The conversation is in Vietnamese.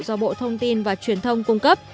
do bộ thông tin và truyền thông cung cấp